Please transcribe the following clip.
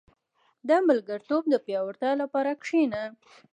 • د ملګرتوب د پياوړتیا لپاره کښېنه.